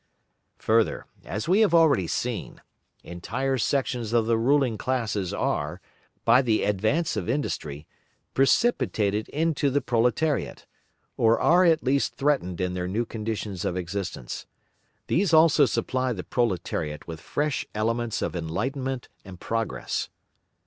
Further, as we have already seen, entire sections of the ruling classes are, by the advance of industry, precipitated into the proletariat, or are at least threatened in their conditions of existence. These also supply the proletariat with fresh elements of enlightenment and progress.